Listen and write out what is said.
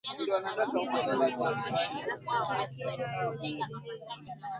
miongoni mwa mashitaka hayo ni lile